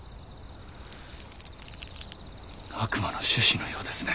悪魔の種子のようですね。